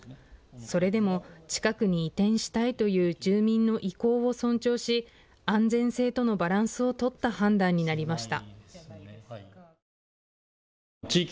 それでも近くに移転したいという住民の意向を尊重し安全性とのバランスを取った判断になりました。